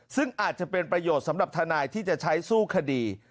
ซึ่งอาจจะเป็นประโยชน์สำหรับทนายที่จะใช้สู้คดี